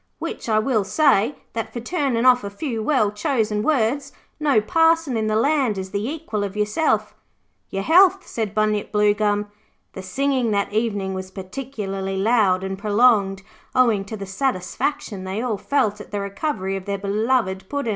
'Which I will say, that for turning off a few well chosen words no parson in the land is the equal of yourself.' 'Your health!' said Bunyip Bluegum. The singing that evening was particularly loud and prolonged, owing to the satisfaction they all felt at the recovery of their beloved Puddin'.